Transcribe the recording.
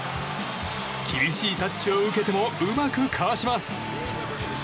厳しいタッチを受けてもうまくかわします。